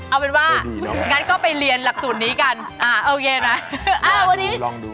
เอาเป็นว่างั้นก็ไปเรียนหลักสูตรนี้กันเอาเย็นไหมโอเคลองดู